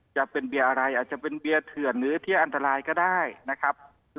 จะเป็นเบียร์อะไรอาจจะเป็นเบียร์เถื่อนหรือที่อันตรายก็ได้นะครับ